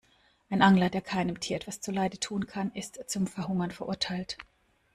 Ein Angler, der keinem Tier etwas zuleide tun kann, ist zum Verhungern verurteilt.